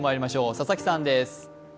佐々木さんです。